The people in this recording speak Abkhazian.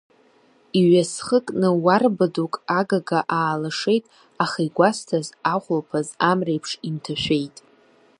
Иҩасхыкны уарба дук агага аалашеит, аха игәасҭаз, ахәылԥаз амреиԥш инҭашәеит.